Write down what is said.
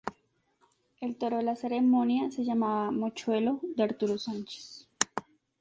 El toro de la ceremonia se llamaba: "Mochuelo" de Arturo Sánchez.